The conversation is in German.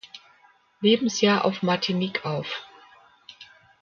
Lebensjahr auf Martinique auf.